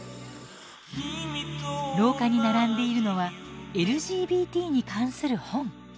廊下に並んでいるのはＬＧＢＴに関する本。